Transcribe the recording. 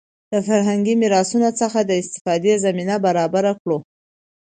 د فرهنګي میراثونو څخه د استفادې زمینه برابره کړو.